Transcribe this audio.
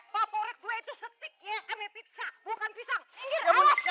favorit gue itu setik yang ada pisang